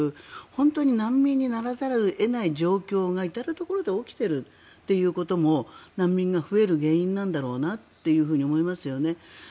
本当に難民にならざるを得ない状況が至るところで起きていることも難民が増える原因だなと思いますよね。